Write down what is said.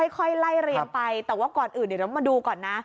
ค่อยไล่เรียงไปแต่ว่าก่อนอื่นเดี๋ยวเรามาดูก่อนนะ